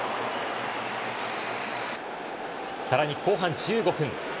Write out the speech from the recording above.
さらに後半１５分。